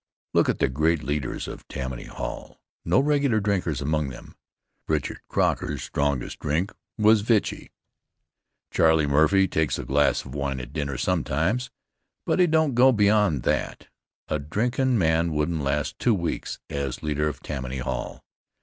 Look at the great leaders of Tammany Hall! No regular drinkers among them. Richard Croker's strongest drink was vichy. Charlie Murphy takes a glass of wine at dinner sometimes, but he don't go beyond that A drinkin' man wouldn't last two weeks as leader of Tammany Hall.